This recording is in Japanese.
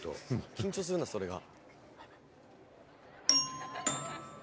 緊張するなあそれが。